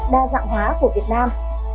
đa dạng hóa của việt nam